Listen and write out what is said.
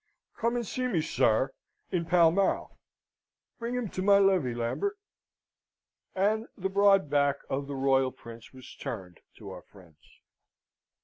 Come and see me, sir, in Pall Mall. Bring him to my levee, Lambert." And the broad back of the Royal Prince was turned to our friends.